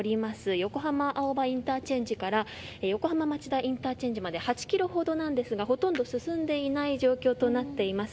横浜青葉インターチェンジから横浜町田インターチェンジまで８キロほどですが、ほとんど進んでいない状況となっています。